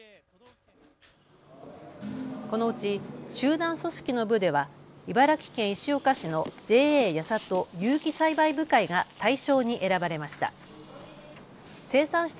このうち集団組織の部では茨城県石岡市のＪＡやさと有機栽培部会が大賞に選ばれました。